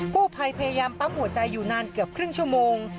กู้ภัยพยายามปั๊มหัวใจอยู่นานเกือบครึ่งชั่วโมง